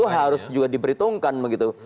harus juga diperhitungkan begitu